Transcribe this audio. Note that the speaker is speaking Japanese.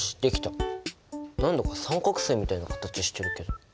何だか三角すいみたいな形してるけど。